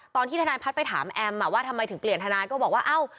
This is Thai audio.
ตอนที่ทนายพัฒน์ไปถามแอมว่าทำไมถึงเปลี่ยนทนายก็บอกว่าเอ้า